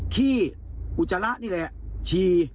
ขี้ออุจจาระนี่แหละชี